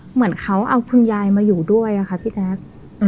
เหมือนเขาเอาคุณยายมาอยู่ด้วยค่ะพี่แจ๊ค